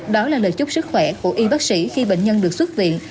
đó là lời chúc sức khỏe của y bác sĩ khi bệnh nhân được xuất viện